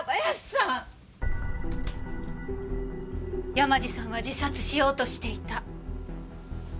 山路さんは自殺しようとしていた。